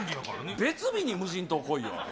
別日に無人島来いよ。